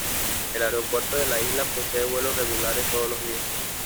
El aeropuerto de la isla posee vuelos regulares todos los días.